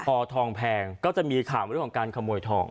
พอทองแพงก็จะมีข่าวเรื่องของการขโมยทอง